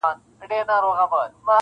سړې شپې يې تېرولې په خپل غار كي-